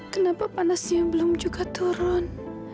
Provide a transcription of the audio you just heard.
kenapa panasnya belum juga turun